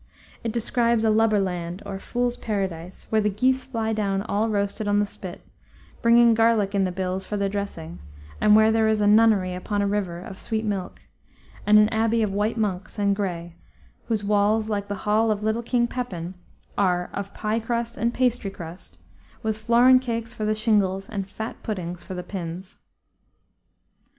It describes a lubber land, or fool's paradise, where the geese fly down all roasted on the spit, bringing garlic in the bills for their dressing, and where there is a nunnery upon a river of sweet milk, and an abbey of white monks and gray, whose walls, like the hall of little King Pepin, are "of pie crust and pastry crust," with flouren cakes for the shingles and fat puddings for the pins.